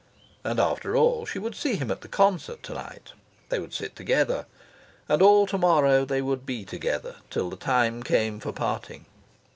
And after all, she would see him at the concert to night. They would sit together. And all to morrow they would be together, till the time came for parting.